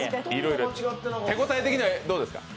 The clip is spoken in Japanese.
手応え的にはどうですか？